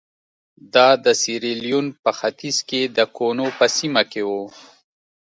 دا د سیریلیون په ختیځ کې د کونو په سیمه کې وو.